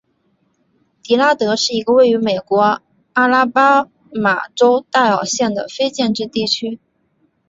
迪拉德是一个位于美国阿拉巴马州戴尔县的非建制地区。